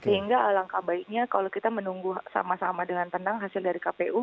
sehingga alangkah baiknya kalau kita menunggu sama sama dengan tenang hasil dari kpu